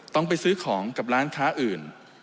ต้องไปซื้อของกับร้านค้าอื่น